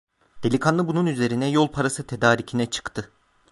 Delikanlı bunun üzerine yol parası tedarikine çıktı.